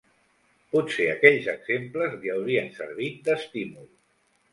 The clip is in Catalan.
Potser aquells exemples li haurien servit d'estímul